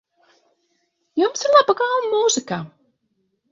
Jums ir laba gaume mūzikā.